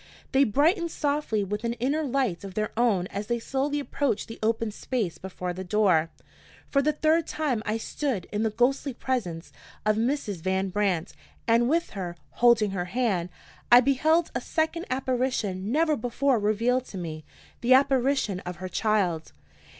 They brightened softly with an inner light of their own as they slowly approached the open space before the door. For the third time I stood in the ghostly presence of Mrs. Van Brandt; and with her, holding her hand, I beheld a second apparition never before revealed to me, the apparition of her child.